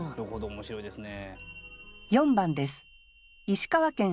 面白いですね。